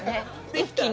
一気に。